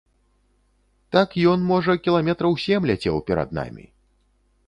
Так ён, можа, кіламетраў сем ляцеў перад намі.